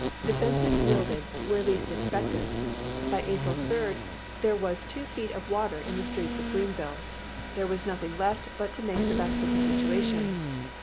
Defenses yielded where least expected. By April 3, there was two feet of water in the streets of Greenville. There was nothing left but to make the best of the situation.